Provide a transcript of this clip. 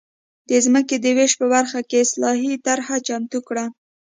د ځمکو د وېش په برخه کې اصلاحي طرحه چمتو کړه.